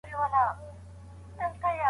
شاید نوې ټکنالوژي د پوهنې کیفیت لوړ کړي.